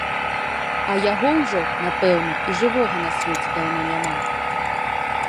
А яго ўжо, напэўна, і жывога на свеце даўно няма.